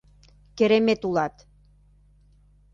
Керемет улат!